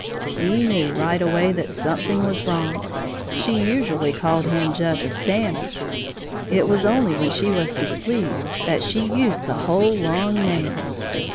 he knew right away that something was wrong. She usually called him just Sammy. It was only when she was displeased that she used the whole long name.